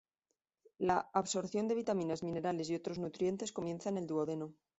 La absorción de vitaminas, minerales y otros nutrientes comienza en el duodeno.